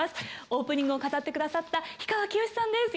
オープニングを飾って下さった氷川きよしさんです。